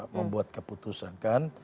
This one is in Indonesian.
membuat keputusan kan